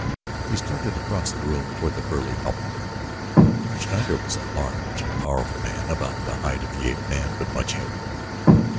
He started across the room toward the burly Hauptmann. Schneider was a large and powerful man about the height of the ape man but much heavier.